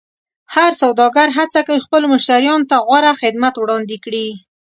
هر سوداګر هڅه کوي خپلو مشتریانو ته غوره خدمت وړاندې کړي.